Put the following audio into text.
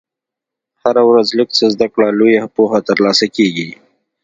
هره ورځ لږ څه زده کړه، لویه پوهه ترلاسه کېږي.